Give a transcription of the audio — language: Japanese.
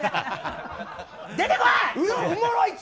出てこい！